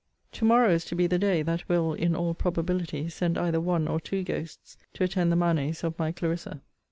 To morrow is to be the day, that will, in all probability, send either one or two ghosts to attend the manes of my CLARISSA.